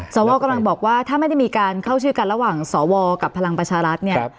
สวกำลังบอกว่าถ้าไม่ได้มีการเข้าชื่อกันระหว่างสวกับพลังประชารัฐเนี่ย